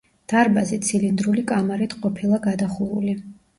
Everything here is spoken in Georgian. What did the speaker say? დარბაზი ცილინდრული კამარით ყოფილა გადახურული.